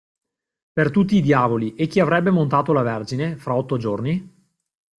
Per tutti i diavoli e chi avrebbe montato la Vergine, fra otto giorni?